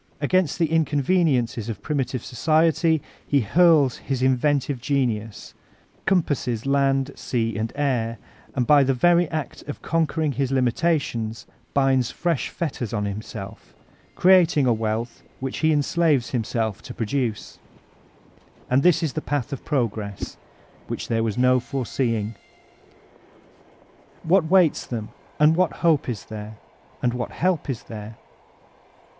Against the inconveniences of primi* tive society, he hurk his inventive genius,— compasses land, sea, and air, — and by the very act of conquering his limitations binds fresh fetters on himself, creating a wealth which he enslaves himself to produce I And this is the Path of Progress, which there was no foreseeing! What waits them? And what hope is there? And what help is there?